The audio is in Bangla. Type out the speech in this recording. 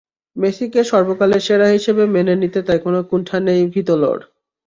মেসিকে সর্বকালের সেরা হিসেবে মেনে নিতে তাই কোনো কুণ্ঠা নেই ভিতোলোর।